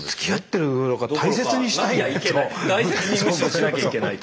大切にむしろしなきゃいけないと。